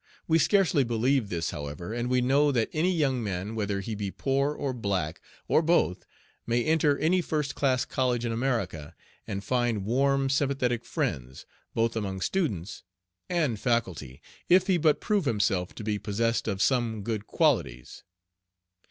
We scarcely believe this, however, and we know that any young man, whether he be poor or black, or both, may enter any first class college in America and find warm sympathetic friends, both among students and faculty, if he but prove himself to be possessed of some good qualities